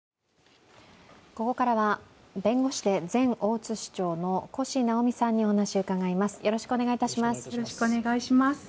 ここからは弁護士で前大津市長の越直美さんにお話を伺います。